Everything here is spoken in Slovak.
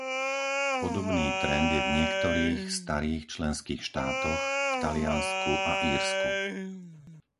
Podobný trend je v niektorých starých členských štátoch, v Taliansku a Írsku.